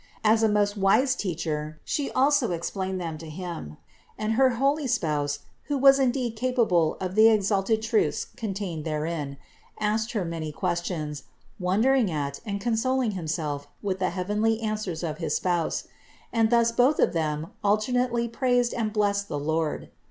As a most wise Teacher She also explained them to him, and her holy spouse who was indeed capable of the exalted truths contained therein, asked Her many questions, wondering at and consoling tiimself with the heavenly answers of his Spouse; and thus both of them alternately praised and blessed the Lord.